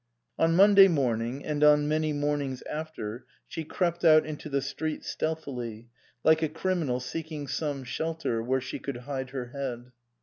On Monday morning and on many mornings after she crept out into the street stealthily, like a criminal seeking some shelter where she could hide her head.